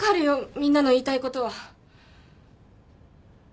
みんなの言いたいことは。